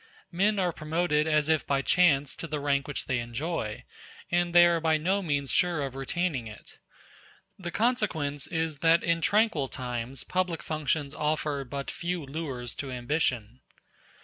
Men are promoted as if by chance to the rank which they enjoy, and they are by no means sure of retaining it. The consequence is that in tranquil times public functions offer but few lures to ambition.